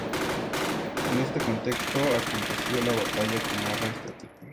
En este contexto, aconteció la batalla que narra este artículo.